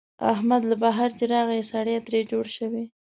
احمد له بهر چې راغی، سړی ترې جوړ شوی.